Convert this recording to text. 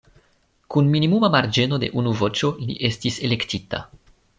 Kun minimuma marĝeno de unu voĉo li estis elektita.